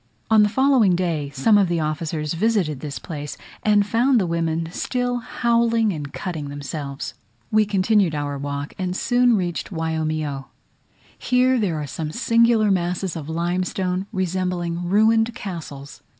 On the following day some of the officers visited this place, and found the women still howling and cutting themselves. We continued our walk, and soon reached Waiomio. Here there are some singular masses of limestone, resembling ruined castles.